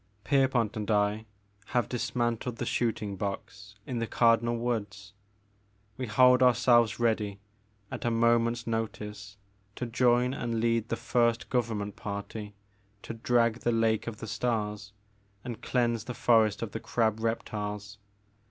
Pierpont and I have dismantled the shooting box in the Cardinal Woods. We hold ourselves ready at a moment's notice to join and lead the first Government party to drag the Lake of the Stars and cleanse the forest of the crab reptiles.